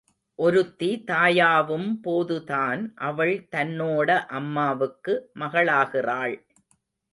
ஒருத்தி தாயாவும் போதுதான் அவள் தன்னோட அம்மாவுக்கு மகளாகிறாள்.